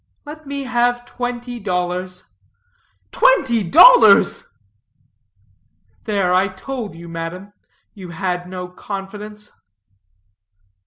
Let me have twenty dollars." "Twenty dollars!" "There, I told you, madam, you had no confidence."